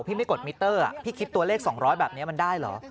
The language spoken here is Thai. พี่ไม่กดมิเตอร์พี่คิดตัวเลข๒๐๐แบบนี้มันได้เหรอ